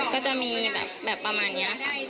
ก็จะมีแบบประมาณนี้ค่ะ